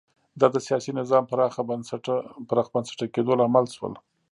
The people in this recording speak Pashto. دا د سیاسي نظام پراخ بنسټه کېدو لامل شول